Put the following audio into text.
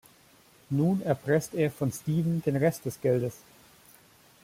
Nun erpresst er von Steven den Rest des Geldes.